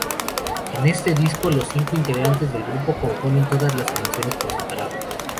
En este disco, los cinco integrantes del grupo componen todas las canciones por separado.